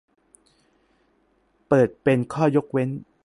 เปิดเป็นข้อยกเว้น